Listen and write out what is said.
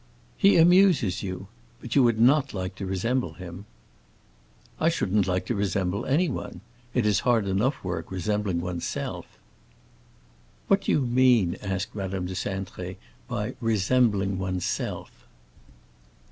"He amuses you. But you would not like to resemble him." "I shouldn't like to resemble anyone. It is hard enough work resembling one's self." "What do you mean," asked Madame de Cintré, "by resembling one's self?"